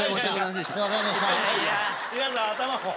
皆さん頭を。